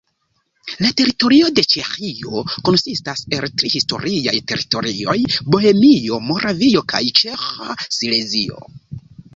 La teritorio de Ĉeĥio konsistas el tri historiaj teritorioj: Bohemio, Moravio kaj Ĉeĥa Silezio.